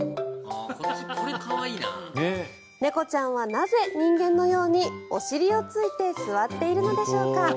猫ちゃんはなぜ人間のようにお尻をついて座っているのでしょうか。